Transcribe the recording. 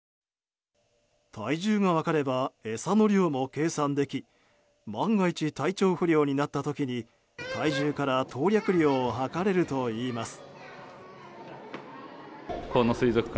体重が分かれば餌の量も計算でき万が一、体調不良になった時に体重から投薬量を測れるといいます。